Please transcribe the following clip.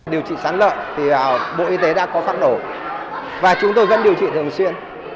điều trị sán lợn thì bộ y tế đã có phác đồ và chúng tôi vẫn điều trị thường xuyên